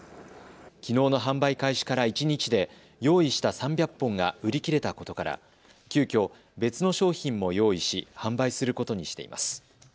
きのうの販売開始から一日で用意した３００本が売り切れたことから急きょ、別の商品も用意し販売することにしています。